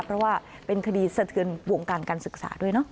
เพราะว่าเป็นคดีสะเทือนวงการการศึกษาด้วยเนาะ